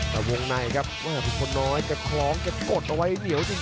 ในวงในครับคนน้อยกระคล้องกระกดเอาไว้เหนียวจริง